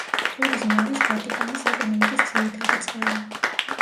ტურიზმი არის ვატიკანის ეკონომიკის ძირითადი წყარო.